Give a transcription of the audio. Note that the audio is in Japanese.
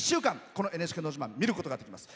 この「ＮＨＫのど自慢」を見ることができます。